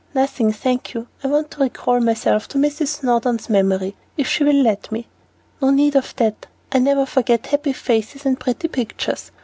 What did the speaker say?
"Nothing, thank you. I want to recall myself to Mrs. Snowdon's memory, if she will let me." "No need of that; I never forget happy faces and pretty pictures.